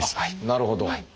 なるほど。